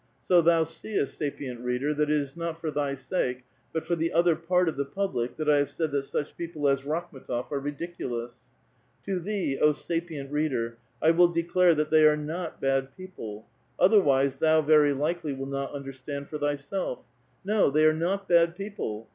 8o thou seest, sapient reader, that it is not for th}' sjJce, but for the other part of the public, that I have said that such people as Rakhm^tof are ridiculous. To thee, O sapient reader, I will declare that they are not bad people ; otherwise, thou very likely wilt not understand for thyself. No, they are not bad people.